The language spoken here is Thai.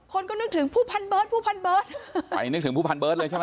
คนก็นึกถึงผู้พันเบิร์ตผู้พันเบิร์ตไปนึกถึงผู้พันเบิร์ตเลยใช่ไหม